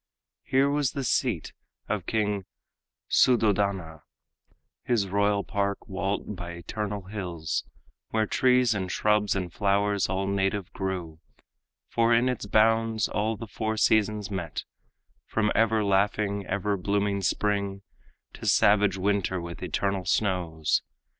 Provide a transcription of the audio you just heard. Here was the seat of King Suddhodana, His royal park, walled by eternal hills, Where trees and shrubs and flowers all native grew; For in its bounds all the four seasons met, From ever laughing, ever blooming spring To savage winter with eternal snows.